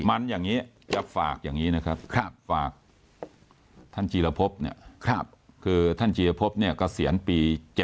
มันอย่างนี้จะฝากอย่างนี้นะครับฝากท่านจีรพบเนี่ยคือท่านจีรพบเนี่ยเกษียณปี๗๗